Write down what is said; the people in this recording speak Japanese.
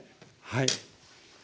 はい。